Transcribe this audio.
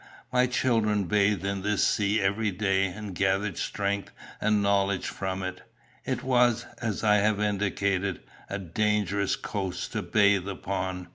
My children bathed in this sea every day, and gathered strength and knowledge from it. It was, as I have indicated, a dangerous coast to bathe upon.